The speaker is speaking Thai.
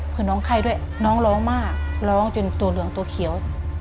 เพื่อน้องไข้ด้วยน้องร้องมากร้องจนตัวเหลืองตัวเขียว